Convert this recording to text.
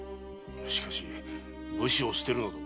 しかし武士を捨てるなど。